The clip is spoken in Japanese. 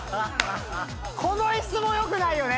この椅子も良くないよね！